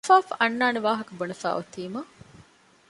އަފާފު އަންނާނެ ވާހަކަ ބުނެފައި އޮތީމަ